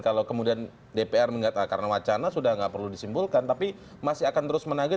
kalau kemudian dpr mengatakan wacana sudah enggak perlu disimpulkan tapi masih akan terus menagih